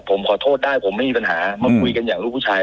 ผมขอโทษได้ผมไม่มีปัญหามาคุยกันอย่างลูกผู้ชาย